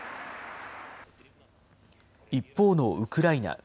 一方のウクライナ。